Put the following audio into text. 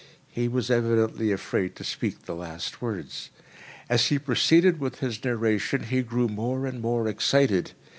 He was evidently afraid to speak the last words. As he proceeded with his narration, he grew more and more excited.